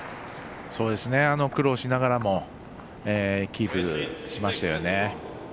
苦労しながらもキープしましたよね。